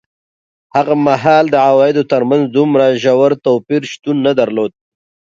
هغه مهال د عوایدو ترمنځ دومره ژور توپیر شتون نه درلود.